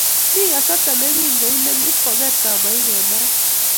Mi kasarta ne kingoimen ipkoger taboik eng' barak.